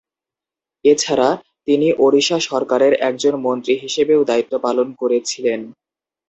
এছাড়া, তিনি ওড়িশা সরকারের একজন মন্ত্রী হিসেবেও দায়িত্ব পালন করেছিলেন।